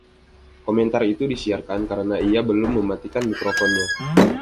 Komentar itu disiarkan karena ia belum mematikan mikrofonnya.